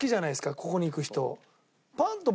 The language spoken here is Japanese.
ここに行く人。